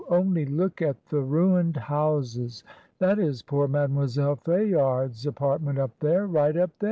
Only look at the ruined houses! That is poor Mademoiselle Fayard's apartment up there, right up there," ST.